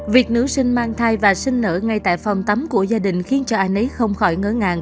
việc nữ sinh mang thai và sinh nở ngay tại phòng tắm của gia đình khiến cho ai nấy không khỏi ngỡ ngàng